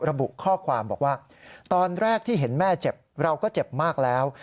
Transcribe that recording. ระบุข้อความบอกว่าตอนแรกที่เห็นแม่เจ็บเราก็เจ็บมากแล้ว